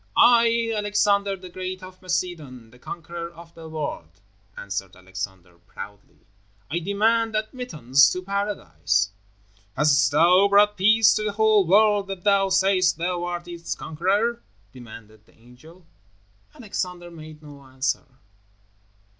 "I, Alexander, the Great, of Macedon, the conqueror of the world," answered Alexander, proudly. "I demand admittance to Paradise." "Hast thou brought peace to the whole world that thou sayest thou art its conqueror?" demanded the angel. Alexander made no answer.